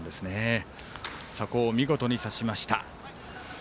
そこを見事に刺しました。